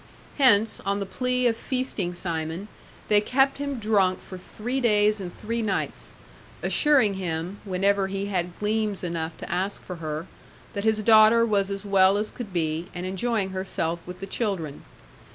Hence, on the plea of feasting Simon, they kept him drunk for three days and three nights, assuring him (whenever he had gleams enough to ask for her) that his daughter was as well as could be, and enjoying herself with the children.